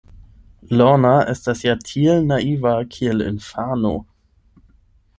Lorna estas ja tiel naiva, kiel infano.